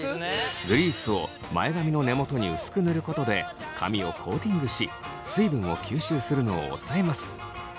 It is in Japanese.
グリースを前髪の根元に薄く塗ることで髪をコーティングし水分を吸収するのを抑えます。